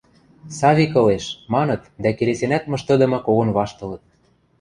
Савик ылеш... – маныт дӓ келесенӓт мыштыдымы когон ваштылыт.